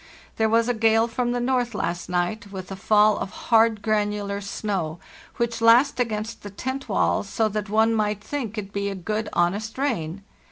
There was a gale from the north last night, with a fall of hard granular snow, which lashed against the tent walls so that one might think it to be good honest rain.